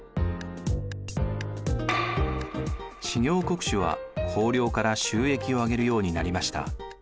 知行国主は公領から収益をあげるようになりました。